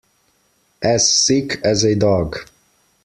As sick as a dog.